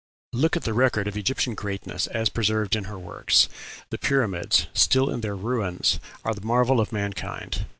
Look at the record of Egyptian greatness as preserved in her works: The pyramids, still in their ruins, are the marvel of mankind.